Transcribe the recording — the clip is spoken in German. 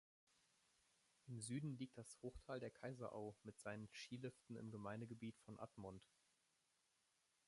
Im Süden liegt das Hochtal der Kaiserau mit seinen Skiliften im Gemeindegebiet von Admont.